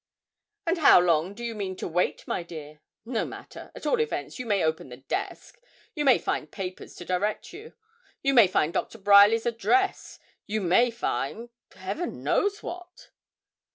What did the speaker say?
'And how long do you mean to wait, my dear? No matter; at all events you may open the desk; you may find papers to direct you you may find Dr. Bryerly's address you may find, heaven knows what.'